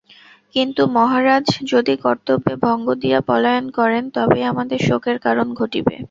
কিন্তু মহারাজ যদি কর্তব্যে ভঙ্গ দিয়া পলায়ন করেন, তবেই আমাদের শোকের কারণ ঘটিবে।